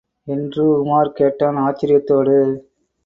என்று உமார் கேட்டான் ஆச்சரியத்தோடு.